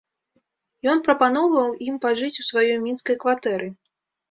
Ён прапаноўваў ім пажыць у сваёй мінскай кватэры.